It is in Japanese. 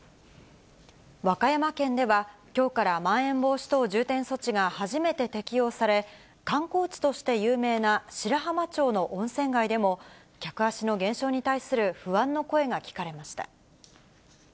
和歌山県では、きょうからまん延防止等重点措置が初めて適用され、観光地として有名な白浜町の温泉街でも、客足の減少に対する不安の声が聞かれました。